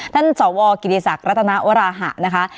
ท่านสวกิริสักรัฐนาอุราหะนะคะ